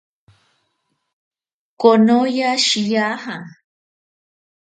Konoya shiyaja.